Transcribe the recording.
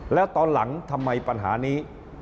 แล้วตอนหลังทำไมปัญหานี้